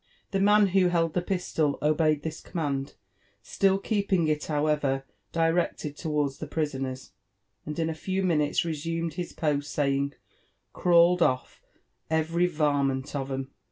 The man who held the pistol obeyed this command, still keeping it, 3t» LIFE AND ADVBNTITRES OF however, directed towards Ihe prisoners ; and in a few minutsreftumed bis post, saying —*• Crawled off every varment of 'em."